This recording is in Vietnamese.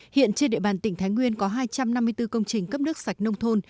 hiện trên địa bàn tỉnh thái nguyên có hai trăm năm mươi bốn công trình cấp nước sạch nông thôn